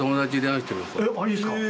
いいっすか。